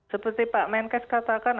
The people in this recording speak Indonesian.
seperti pak menkes katakan